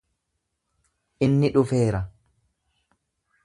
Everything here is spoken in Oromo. Inni dhufeera.